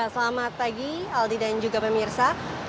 selamat pagi aldi dan jumlah